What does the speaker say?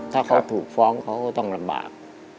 ถ้าเขาถูกฟ้องเขาก็ต้องลำบาก